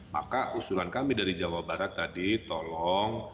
maka usulan kami dari jawa barat tadi tolong